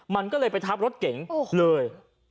มันก็เลยไปทับรถเก๋งเลย